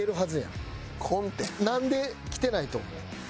なんできてないと思う？